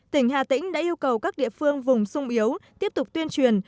tỉnh hà tĩnh đã yêu cầu các địa phương vùng sung yếu tiếp tục tuyên truyền